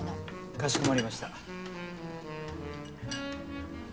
かしこまりました。